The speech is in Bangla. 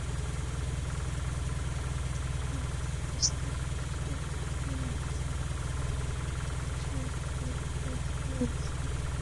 তারাও হতভম্ব হয়ে আবিষ্কার করলেন, মেসি রাগে-হতাশায় মাখামাখি হয়ে চলে যাচ্ছেন ড্রেসিংরুমে।